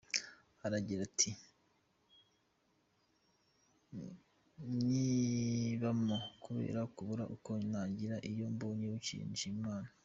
Aragira ati « Nyibamo kubera kubura uko nagira, iyo mbonye bucyeye nshimira Imana ».